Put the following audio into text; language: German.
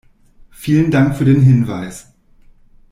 Vielen Dank für den Hinweis.